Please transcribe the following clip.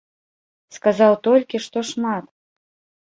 Сказаў толькі, што шмат.